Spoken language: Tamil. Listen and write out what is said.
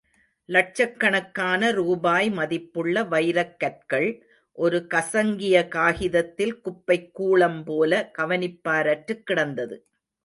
லட்சக் கணக்கான ரூபாய் மதிப்புள்ள வைரக்கற்கள், ஒரு கசங்கிய காகிதத்தில் குப்பைக் கூளம்போல கவனிப்பாரற்றுக் கிடந்தது.